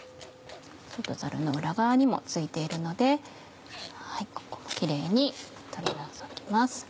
ちょっとザルの裏側にも付いているのでここをキレイに取り除きます。